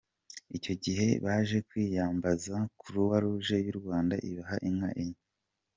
Icyo gihe baje kwiyambaza Croix-Rouge y’u Rwanda ibaha inka enye.